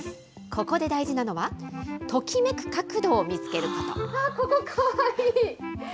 ここで大事なのは、ときめく角度を見つけること。